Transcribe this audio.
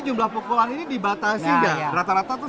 jumlah pukulan ini dibatasi gak